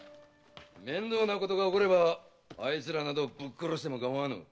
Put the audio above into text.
面倒なことが起こればあいつらぶっ殺してかまわぬ！